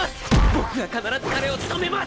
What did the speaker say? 僕が必ず彼を止めます！！